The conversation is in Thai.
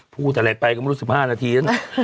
พูดอะไรไปก็ไม่รู้สึกห้านาที๔๐